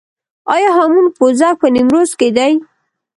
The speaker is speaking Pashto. آیا هامون پوزک په نیمروز کې دی؟